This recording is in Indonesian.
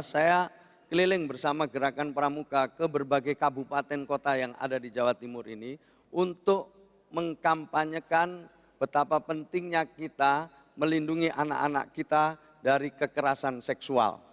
dua ribu empat belas dua ribu lima belas saya keliling bersama gerakan pramuka ke berbagai kabupaten kota yang ada di jawa timur ini untuk mengkampanyekan betapa pentingnya kita melindungi anak anak kita dari kekerasan seksual